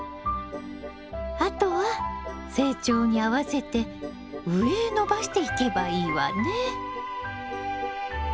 あとは成長に合わせて上へ伸ばしていけばいいわね。